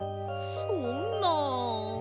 そんなあ。